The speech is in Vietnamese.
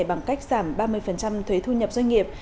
bằng cách giảm ba mươi thuế thu nhập doanh nghiệp